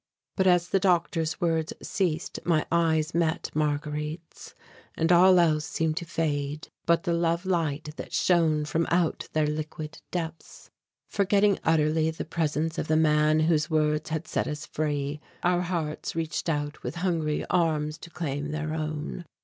But as the doctor's words ceased my eyes met Marguerite's and all else seemed to fade but the love light that shone from out their liquid depths. Forgetting utterly the presence of the man whose words had set us free, our hearts reached out with hungry arms to claim their own.